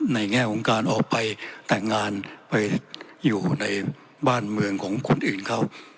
แง่ของการออกไปแต่งงานไปอยู่ในบ้านเมืองของคนอื่นเขา